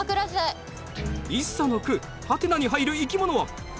一茶の句ハテナに入る生き物は？